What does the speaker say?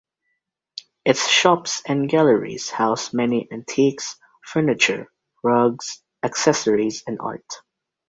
Its shops and galleries house many antiques, furniture, rugs, accessories and art.